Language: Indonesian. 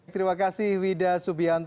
terima kasih widha subianto